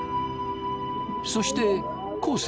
そして昴